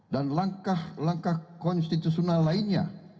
dan langkah langkah konstitusional lainnya